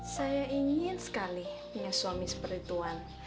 saya ingin sekali punya suami seperti tuhan